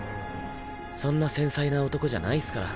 そんな繊細な男じゃないスから。